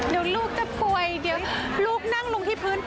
เดี๋ยวลูกจะป่วยเดี๋ยวลูกนั่งลงที่พื้น